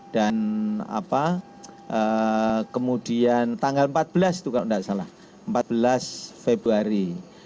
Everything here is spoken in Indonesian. dan kemudian tanggal empat belas februari